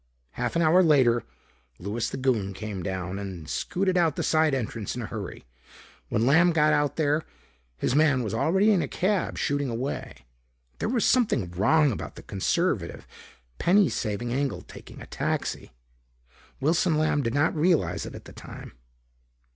Half an hour later. Louis the Goon came down and scooted out the side entrance in a hurry. When Lamb got out there, his man was already in a cab, shooting away. There was something wrong about the conservative, penny saving Engel taking a taxi. Wilson Lamb did not realize it at the time.